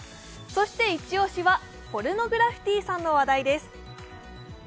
そしてイチ押しはポルノグラフィティさんの話題です。